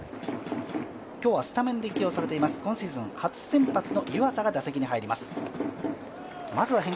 今日はスタメンで起用されています、今シーズン初先発の湯浅が打席に入ります。